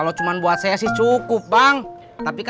mau pulang juga dah